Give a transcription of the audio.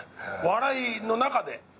笑いの中で。